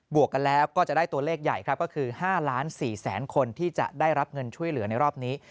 วกกันแล้วก็จะได้ตัวเลขใหญ่ครับก็คือ๕๔๐๐๐คนที่จะได้รับเงินช่วยเหลือในรอบนี้